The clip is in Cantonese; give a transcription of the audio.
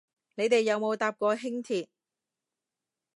你哋有冇搭過輕鐵